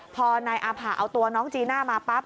พอนายอาผ่าเอาตัวน้องจีน่ามาปั๊บ